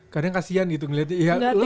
kadang kasian gitu ngeliatnya